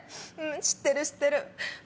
知ってる知ってる。